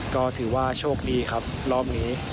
ก็ถือว่าโชคดีครับรอบนี้